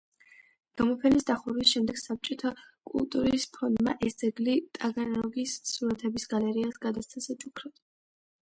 გამოფენის დახურვის შემდეგ საბჭოთა კულტურის ფონდმა ეს ძეგლი ტაგანროგის სურათების გალერეას გადასცა საჩუქრად.